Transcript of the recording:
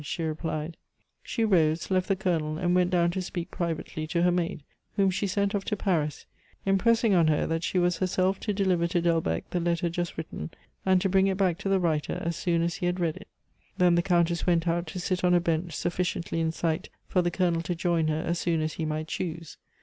she replied. She rose, left the Colonel, and went down to speak privately to her maid, whom she sent off to Paris, impressing on her that she was herself to deliver to Delbecq the letter just written, and to bring it back to the writer as soon as he had read it. Then the Countess went out to sit on a bench sufficiently in sight for the Colonel to join her as soon as he might choose.